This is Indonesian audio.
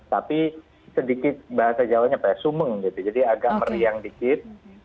tapi sedikit bahasa jawa nya jadi agak meriang sedikit